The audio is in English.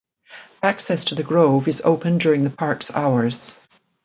Access to the Grove is open during the park's hours.